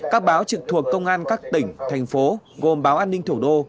các báo trực thuộc công an các tỉnh thành phố gồm báo an ninh thủ đô